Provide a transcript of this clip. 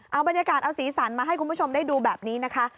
เอาบรรยากาศเอาสีสันมาให้คุณผู้ชมได้ดูแบบนี้นะคะ